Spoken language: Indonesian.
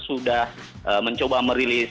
sudah mencoba merilis